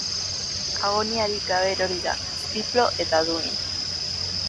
Agoniarik gabe erori da, ziplo eta duin.